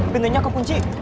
pintunya kok kunci